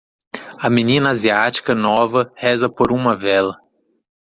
A menina asiática nova reza por uma vela.